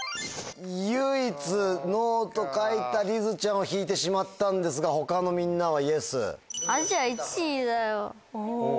唯一「Ｎｏ」と書いたりづちゃんを引いてしまったんですが他のみんなは「Ｙｅｓ」。